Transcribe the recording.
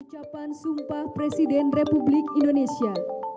ucapan sumpah presiden republik indonesia